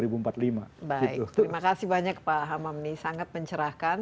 baik terima kasih banyak pak hamam ini sangat mencerahkan